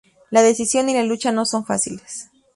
La decisión y la lucha no son fáciles.